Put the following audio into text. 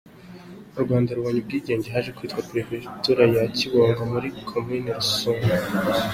U Rwanda rubonye Ubwigenge haje kwitwa Perefegitura ya Kibungo muri Komini Rusumo.